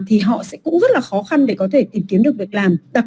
thì họ sẽ cũng rất là khó khăn để có thể tìm kiếm được việc làm